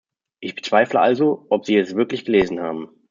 Ich bezweifle also, ob sie es wirklich gelesen haben.